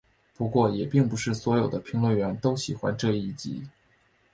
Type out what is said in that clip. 不过也并不是所有的评论员都喜欢这一集。